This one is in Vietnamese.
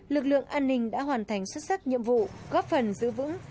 lực lượng an ninh đã hoàn thành xuất sắc nhiệm vụ góp phần giữ vững